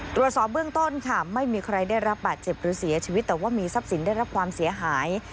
ตรวจสอบเบื้องต้นค่ะไม่มีใครได้รับบาดเจ็บหรือเสียชีวิตแต่ว่ามีทรัพย์สินได้รับความเสียหาย